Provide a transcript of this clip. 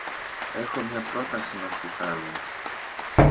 Έχω μια πρόταση να σου κάνω.